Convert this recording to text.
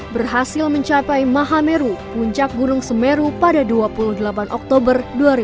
berhasil mencapai mahameru puncak gunung semeru pada dua puluh delapan oktober dua ribu dua puluh